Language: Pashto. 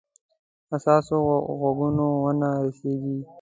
حساسو غوږونو ونه رسیږي.